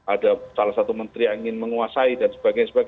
ada salah satu menteri yang ingin menguasai dan sebagainya